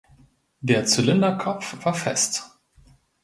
Der Zylinderkopf war fest.